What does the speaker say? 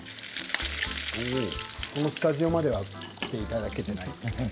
このスタジオまでは来ていただけてないですかね。